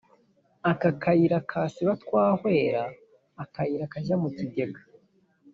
Aka kayira kasiba twahwera-Akayira kajya mu kigega.